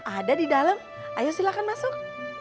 ada di dalam ayo silakan masuk